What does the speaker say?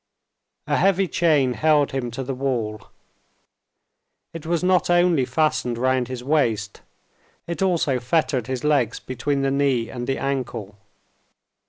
A heavy chain held him to the wall. It was not only fastened round his waist, it also fettered his legs between the knee and the ankle.